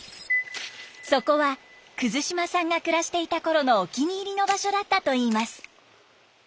そこは島さんが暮らしていたころのお気に入りの場所だったといいます。